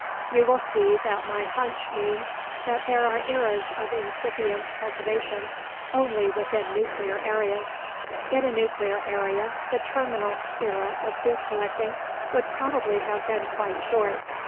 You will see that my hunch means that there are eras of incipient cultivation only within nuclear areas. In a nuclear area, the terminal era of food collecting would probably have been quite short.